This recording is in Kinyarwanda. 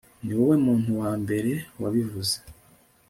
Niwowe muntu wa mbere wabivuze